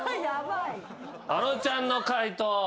あのちゃんの解答